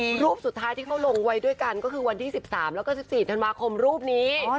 คือรูปสุดท้ายที่เขาลงไว้ด้วยกันก็คือวันที่๑๓แล้วก็๑๔ธันวาคมรูปนี้